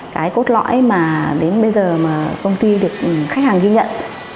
cái cốt lõi mà đến bây giờ mà công ty được khách hàng ghi nhận